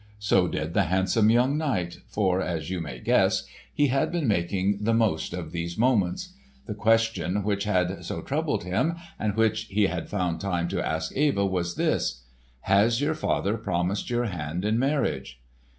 So did the handsome young knight, for, as you may guess, he had been making the most of these moments. The question which had so troubled him and which he had found time to ask Eva was this, "Has your father promised your hand in marriage?"